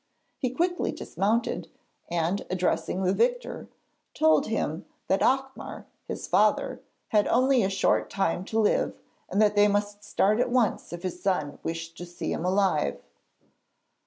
He quickly dismounted and, addressing the victor, told him that Ocmar, his father, had only a short time to live and that they must start at once if his son wished to see him alive.